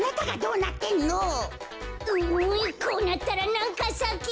うんこうなったらなんかさけ！